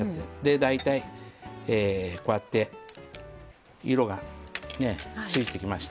大体こうやって色がついてきました。